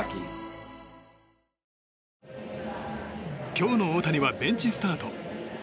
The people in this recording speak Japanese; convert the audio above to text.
今日の大谷はベンチスタート。